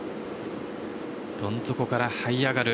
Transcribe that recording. どん底からはい上がる